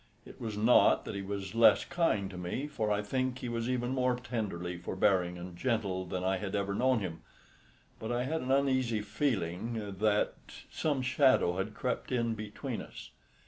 It was not that he was less kind to me, for I think he was even more tenderly forbearing and gentle than I had ever known him, but I had an uneasy feeling that some shadow had crept in between us.